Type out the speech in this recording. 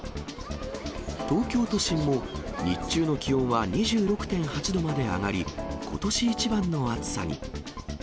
東京都心も日中の気温は２６．８度まで上がり、ことし一番の暑さに。